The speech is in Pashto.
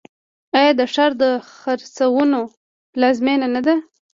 آیا دا ښار د خرسونو پلازمینه نه ده؟